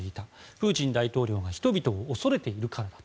プーチン大統領が人々を恐れているからだ。